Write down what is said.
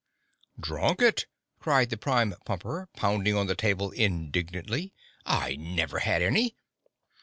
"Drunk it!" cried the Prime Pumper, pounding on the table indignantly. "I never had any!"